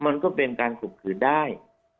มันก็เป็นการข่มขืนได้